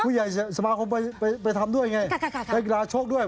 ผู้ใหญ่สมาคมไปทำด้วยไงไปกำลาดโชคด้วย